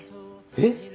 えっ⁉